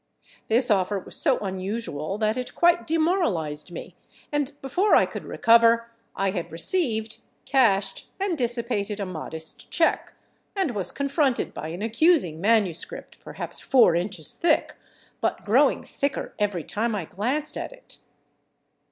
This offer was so unusual that it quite demoralized me, and before I could recover I had received, cashed and dissipated a modest check, and was confronted by an accusing manuscript, perhaps four inches thick, but growing thicker every time I glanced at it.